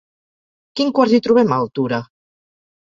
Quin quars hi trobem a Altura?